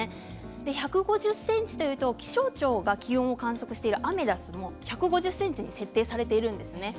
１５０ｃｍというと、気象庁が気温を観測しているアメダスが１５０ｃｍに設定されています。